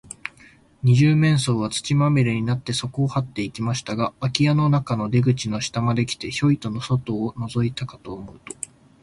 二十面相は、土まみれになって、そこをはっていきましたが、あき家の中の出口の下まで来て、ヒョイと外をのぞいたかと思うと、